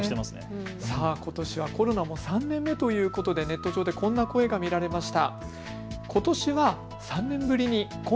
ことし、コロナもも３年目ということでネット上でもこんな声が見られました。